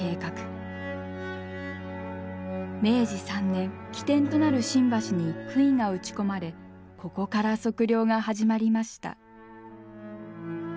明治３年起点となる新橋に杭が打ち込まれここから測量が始まりました。